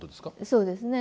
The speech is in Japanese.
そうですね。